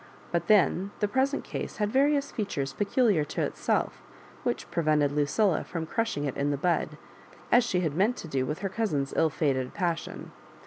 But then the present case bad various features peculiar to itself, which prevented Lucilla from crashing it in the bud, as she had meant to do with her cousin's ill fatod passion.